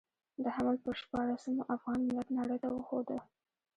د حمل پر شپاړلسمه افغان ملت نړۍ ته وښوده.